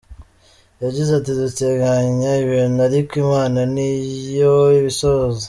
Yagize ati “Duteganya ibintu ariko Imana ni yo ibisohoza.